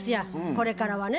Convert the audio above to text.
これからはね。